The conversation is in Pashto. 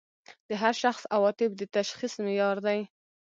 د هر شخص عواطف د تشخیص معیار دي.